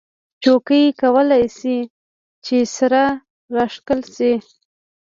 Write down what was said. چوکۍ کولی شي سره راښکل شي.